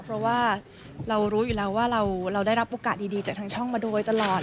เพราะว่าเรารู้อยู่แล้วว่าเราได้รับโอกาสดีจากทางช่องมาโดยตลอด